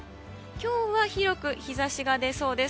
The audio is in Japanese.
今日は広く日差しが出そうです。